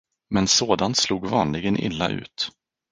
Men sådant slog vanligen illa ut.